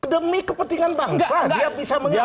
demi kepentingan bangsa dia bisa menyerah